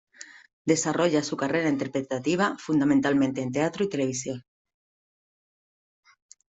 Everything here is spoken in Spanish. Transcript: Desarrolla su carrera interpretativa, fundamentalmente, en teatro y televisión.